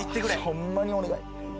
ホンマにお願い。